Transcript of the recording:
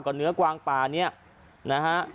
ก่อนเนื้อกวางปลานี้นะฮะ